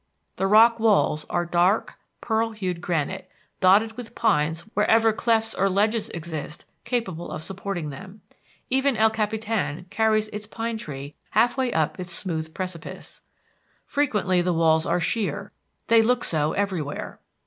The rock walls are dark pearl hued granite, dotted with pines wherever clefts or ledges exist capable of supporting them; even El Capitan carries its pine tree half way up its smooth precipice. Frequently the walls are sheer; they look so everywhere.